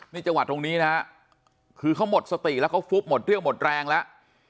มีจังหวัดตรงนี้คือเขาหมดสติแล้วก็พุบหมดด้วยหมดแรงแล้ว